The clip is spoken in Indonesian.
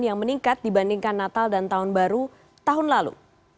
yang meningkat dibandingkan natal dan tahun baru tahun lalu